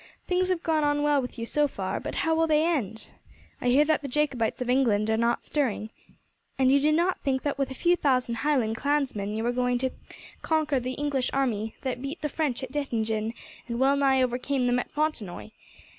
Things have gone on well with you so far; but how will they end? I hear that the Jacobites of England are not stirring, and you do not think that with a few thousand Highland clansmen you are going to conquer the English army that beat the French at Dettingen, and well nigh overcame them at Fontenoy.